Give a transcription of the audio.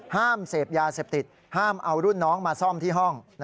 ห้ามเสพยาเสพติดห้ามเอารุ่นน้องมาซ่อมที่ห้อง